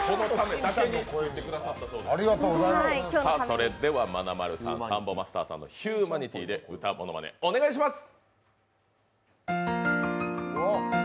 それではまなまるさん、サンボマスターさんの「ヒューマニティ！」で歌ものまね、お願いします。